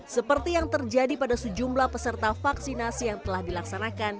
seperti yang terjadi pada sejumlah peserta vaksinasi yang telah dilaksanakan